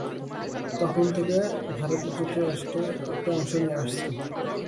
তখন থেকে ভারত ও যুক্তরাষ্ট্র এতে অংশ নিয়ে আসছে।